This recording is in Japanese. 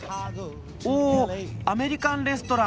おアメリカンレストラン。